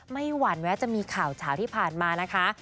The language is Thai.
หวั่นแวะจะมีข่าวเฉาที่ผ่านมานะคะ